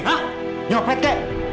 hah nyopet kek